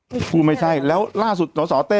อืมพูดไม่ใช่แล้วล่าสุดหัวสอเต้